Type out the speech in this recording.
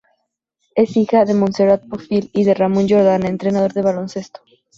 Es hija de Montserrat Bofill y de Ramón Jordana entrenador de baloncesto.